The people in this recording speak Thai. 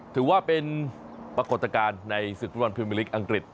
ถือว่าเป็นปรากฏการณ์ในศึกฟุตบอลพิมิลิกอังกฤษ